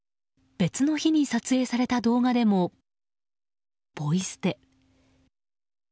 別の日に撮影された動画でもポイ捨て。